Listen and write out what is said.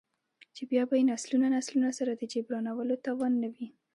،چـې بـيا بـه يې نسلونه نسلونه سـره د جـبران ولـو تـوان نـه وي.